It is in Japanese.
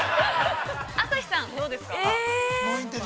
◆朝日さん、どうですか。